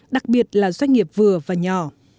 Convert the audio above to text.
đặc biệt là doanh nghiệp vừa và nhỏ